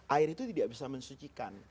air itu tidak bisa mensucikan